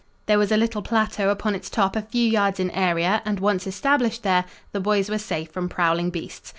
There was a little plateau upon its top a few yards in area and, once established there, the boys were safe from prowling beasts.